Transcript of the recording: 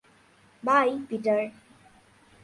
By, Peter.